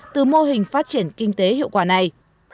từ mô hình phát triển kinh tế hiệu quả này